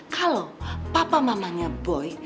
kalau papa mamanya boy